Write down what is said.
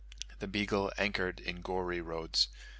The Beagle anchored in Goeree Roads.